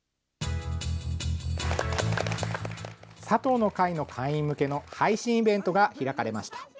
佐藤の会の会員向けの配信イベントが開かれました。